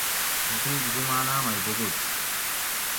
موٹوگ زماناۤ مئ بغض